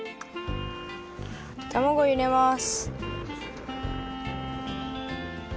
たまごいれます！